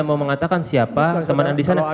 mau mengatakan siapa teman di sana